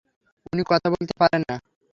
উনি কথা বলতে পারেন না!